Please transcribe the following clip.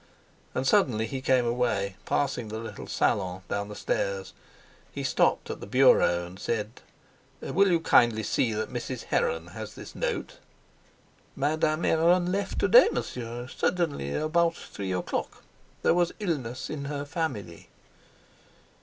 And suddenly he came away, passing the little salon down the stairs. He stopped at the bureau and said: "Will you kindly see that Mrs. Heron has this note?" "Madame Heron left to day, Monsieur—suddenly, about three o'clock. There was illness in her family."